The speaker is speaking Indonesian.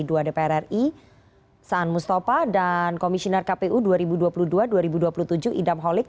dpr ri saan mustafa dan komisioner kpu dua ribu dua puluh dua dua ribu dua puluh tujuh idam holik